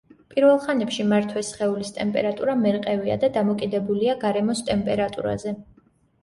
პირველ ხანებში მართვეს სხეულის ტემპერატურა მერყევია და დამოკიდებულია გარემოს ტემპერატურაზე.